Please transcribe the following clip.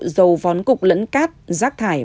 dầu vón cục lẫn cát rác thải